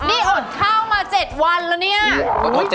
นี่อดข้าวมา๗วันแล้วเนี่ย